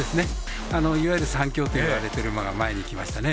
いわゆる３強といわれている馬が前に来ましたね。